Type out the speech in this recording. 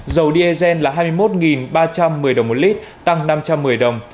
dầu diesel là hai mươi một ba trăm một mươi đồng một lít tăng năm trăm một mươi đồng